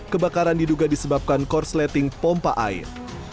kebakaran diduga disebabkan korsleting pompa air